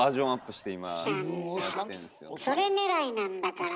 それねらいなんだから。